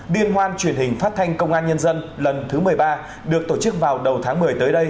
liên hoan truyền hình phát thanh công an nhân dân lần thứ một mươi ba được tổ chức vào đầu tháng một mươi tới đây